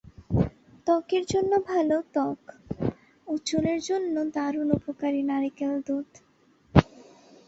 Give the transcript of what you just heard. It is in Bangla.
ত্বকের জন্য ভালো ত্বক ও চুলের জন্য দারুণ উপকারী নারকেল দুধ।